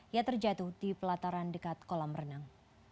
ia terjatuh di pelataran dekat kolam renang